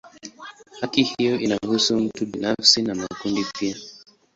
Haki hiyo inahusu mtu binafsi na makundi pia.